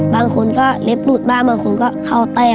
บางคนก็เล็บหลุดบ้างบางคนก็เข้าแต้